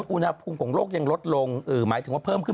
อุณหภูมิของโลกยังลดลงหมายถึงว่าเพิ่มขึ้น